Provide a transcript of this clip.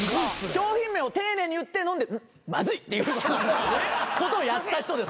商品名を丁寧に言って飲んで「まずい」っていうことをやった人です。